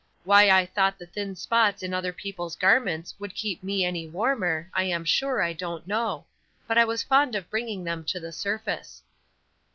Why I thought the thin spots in other people's garments would keep me any warmer, I am sure I don't know; but I was fond of bringing them to the surface.